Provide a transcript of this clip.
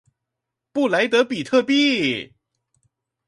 布萊德比特幣